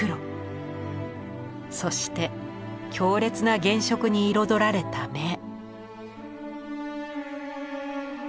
そして強烈な原色に彩られた目。